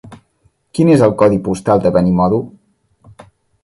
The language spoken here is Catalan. Quin és el codi postal de Benimodo?